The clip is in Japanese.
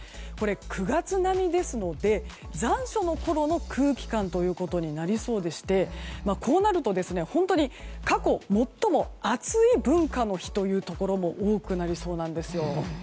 ９月並みですので、残暑のころの空気感となりそうでしてこうなると、本当に過去最も暑い文化の日というところも多くなりそうなんですよ。